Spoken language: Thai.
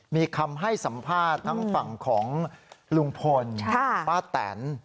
มีคำให้สัมภาษณ์ทั้งฝั่งของลุงพลป้าแตน